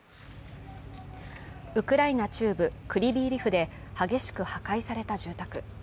ウクライナ中部クリヴィー・リフで激しく破壊された住宅。